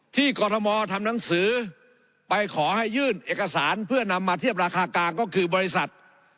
กรทมทำหนังสือไปขอให้ยื่นเอกสารเพื่อนำมาเทียบราคากลางก็คือบริษัท